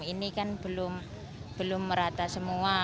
ini kan belum merata semua